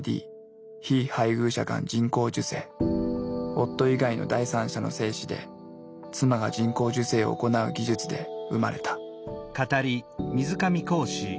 夫以外の第三者の精子で妻が人工授精を行う技術で生まれた。